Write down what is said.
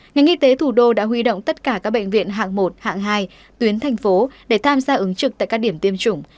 ngành y tế thủ đô đã huy động tất cả các bệnh viện hạng một hạng hai tuyến thành phố để tham gia ứng trực tại các điểm tiêm chủng